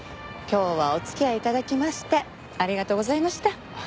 今日はお付き合い頂きましてありがとうございました。